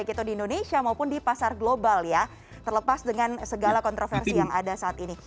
terlepas dengan segala kontroversi yang ada saat ini